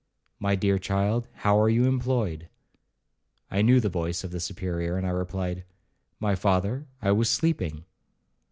—'My dear child, how are you employed?' I knew the voice of the Superior, and I replied, 'My father, I was sleeping.'